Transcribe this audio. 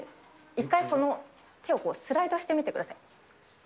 一回この手をこう、スライドしてみてください。